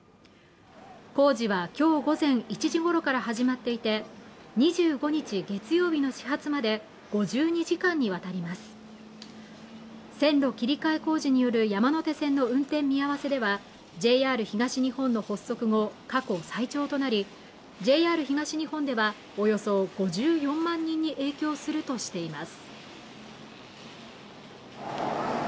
工事は今日午前１時ごろから始まっていて２５日月曜日の始発まで５２時間に渡ります線路切り替え工事による山手線の運転見合わせではＪＲ東日本の発足後過去最長となりＪＲ東日本ではおよそ５４万人に影響するとしています